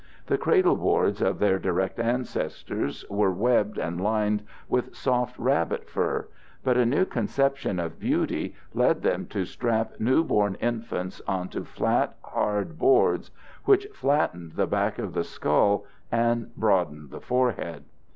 The cradleboards of their direct ancestors were webbed and lined with soft rabbit fur, but a new conception of beauty led them to strap newborn infants onto flat, hard boards which flattened the back of the skull and broadened the forehead.